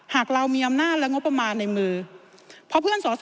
ถ้าเรามีอำนาจและงบประมาณในมือ